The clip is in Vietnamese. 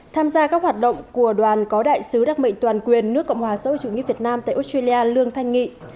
tham gia các hoạt động của đoàn có đại sứ đắc mệnh toàn quyền nước cộng hòa sâu chủ nghĩa việt nam tại australia lương thanh nghị